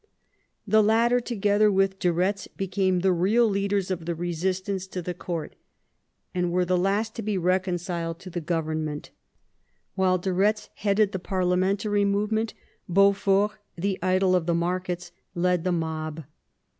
The latter together with de Eetz became the real leaders of the resistance to the court, and were the last to be reconciled to the government While de Ketz headed the parliamentary movement, Beaufort, " the idol of the markets," led the mob.